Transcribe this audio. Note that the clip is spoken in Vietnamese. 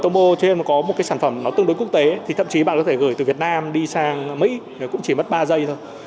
tomo cho nên có một cái sản phẩm nó tương đối quốc tế thì thậm chí bạn có thể gửi từ việt nam đi sang mỹ cũng chỉ mất ba giây thôi